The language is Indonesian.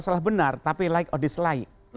salah benar tapi like or dislike